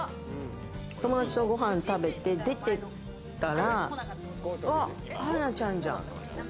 友達とご飯食べて出てったら、春菜ちゃんじゃん！